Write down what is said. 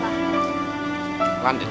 bila nanti kembali padaku